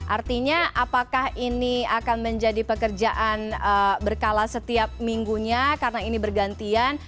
artinya apakah ini akan menjadi pekerjaan berkala setiap minggunya karena ini bergantian